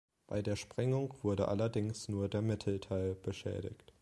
Bei der Sprengung wurde allerdings nur der Mittelteil beschädigt.